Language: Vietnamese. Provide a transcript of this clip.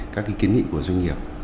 các kiến nghị của doanh nghiệp